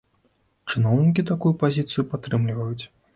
Чыноўнікі такую пазіцыю падтрымліваюць.